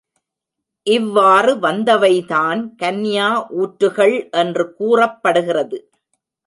இவ்வாறு வந்தவைதான் கன்யா ஊற்றுகள் என்று கூறப்படுகிறது.